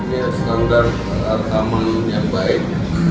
ini adalah standar rekaman yang baik